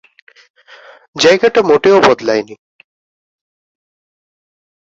জায়গাটা মোটেও বদলায়নি।